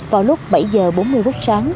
vào lúc bảy h bốn mươi phút sáng